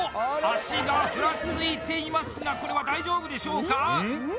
脚がふらついていますがこれは大丈夫でしょうか？